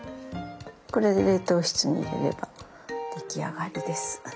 これで冷凍室に入れれば出来上がりです。